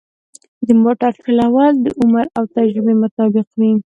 د موټر چلول د عمر او تجربه مطابق وي.